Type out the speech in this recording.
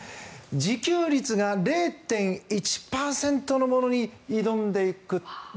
自給率が０．１％のものに挑んでいく。